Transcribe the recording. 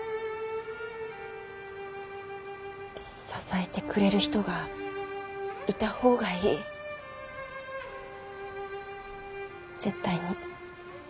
支えてくれる人がいた方がいい絶対に。